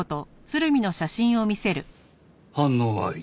反応あり。